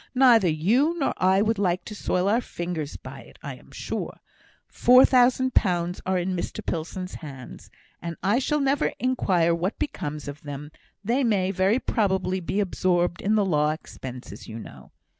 Neither you nor I would like to soil our fingers by it, I am sure. Four thousand pounds are in Mr Pilson's hands, and I shall never inquire what becomes of them; they may, very probably, be absorbed in the law expenses, you know.